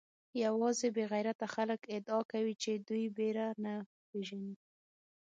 یوازې بې غیرته خلک ادعا کوي چې دوی بېره نه پېژني.